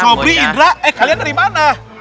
hobi indra eh kalian dari mana